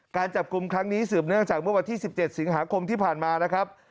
การจับกลุ่มครั้งนี้สืบเนื่องจากเมื่อวันที่๑๗สิงหาคมที่ผ่านมานะครับ